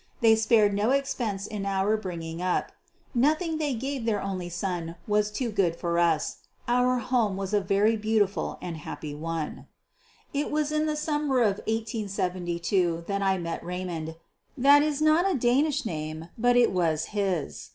They spared no expense in our bringing up. Nothing they gave their only son was too good for us. Our home was a very beautiful and happy one. [Illustration: Elizabeth's Home "The Castle."] It was in the summer of 1872 that I met Raymond. That is not a Danish name, but it was his.